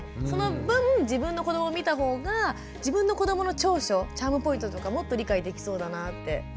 その分自分の子どもを見た方が自分の子どもの長所チャームポイントとかもっと理解できそうだなって。